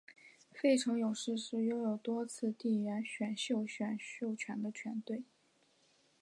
费城勇士是拥有最多次地缘选秀选秀权的球队。